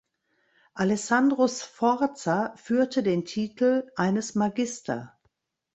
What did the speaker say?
Alessandro Sforza führte den Titel eines Magister.